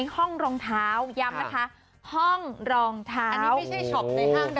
ห้องรองเท้าย้ำนะคะห้องรองเท้าอันนี้ไม่ใช่ช็อปในห้างนะ